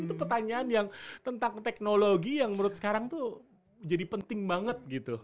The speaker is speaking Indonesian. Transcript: itu pertanyaan yang tentang teknologi yang menurut sekarang tuh jadi penting banget gitu